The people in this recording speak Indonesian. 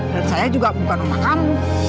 dan saya juga bukan rumah kamu